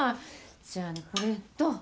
じゃあこれとこれ。